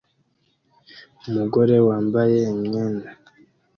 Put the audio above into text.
Umugore wambaye imyenda